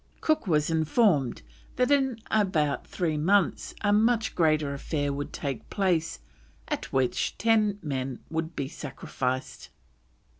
Cook was informed that in about three months a much greater affair would take place at which ten men would be sacrificed.